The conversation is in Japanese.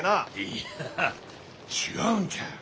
いや違うんじゃ。